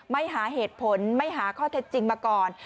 ไม่หาเหตุผลไม่หาข้อเท็จจริงมาก่อน